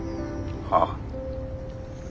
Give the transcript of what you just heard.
ああ。